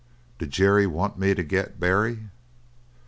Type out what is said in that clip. "Did Jerry want me to get Barry?"